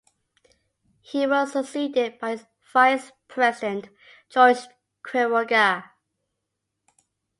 He was succeeded by his Vice-President, Jorge Quiroga.